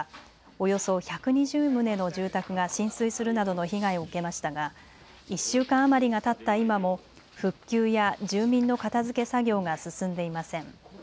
およそ１２０棟の住宅が浸水するなどの被害を受けましたが１週間余りがたった今も復旧や住民の片づけ作業が進んでいません。